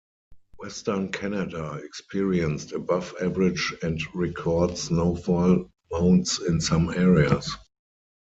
Western Canada experienced above average and record snowfall amounts in some areas.